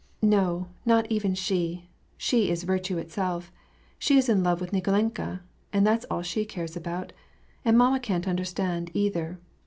" No, not even she ! She is virtue itself ! She is in love with Nikolenka, and that^s all she cares about. And mamma can't understand either